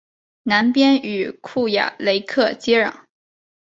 南边与库雅雷克接壤。